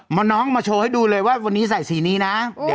น้องมาโชว์ให้ดูเลยว่าวันนี้ใส่สีนี้นะ